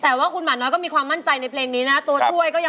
แต่ว่าคุณหมาน้อยก็มีความมั่นใจในเพลงนี้นะ